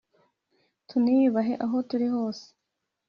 Tuniyubahe aho turi hose